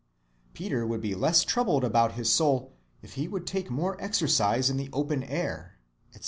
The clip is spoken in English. Peter would be less troubled about his soul if he would take more exercise in the open air, etc.